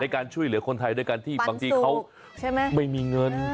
ในการช่วยเหลือคนไทยด้วยการที่บางทีเขาปันสุขใช่ไหมไม่มีเงิน